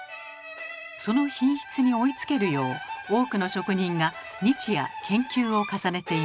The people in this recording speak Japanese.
その品質に追いつけるよう多くの職人が日夜研究を重ねています。